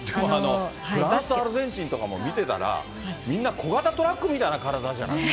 でも、アルゼンチンとかも見てたら、みんな小型トラックみたいな体じゃん。